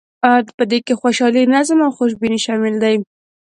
په دې کې خوشحالي، نظم او خوشبیني شامل دي.